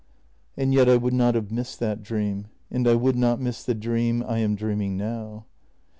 And yet I would not have missed that dream, and I would not miss the dream I am dreaming now.